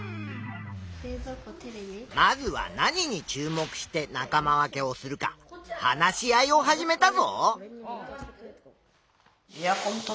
まずは何に注目して仲間分けをするか話し合いを始めたぞ。